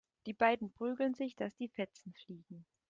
Die beiden prügeln sich, dass die Fetzen fliegen.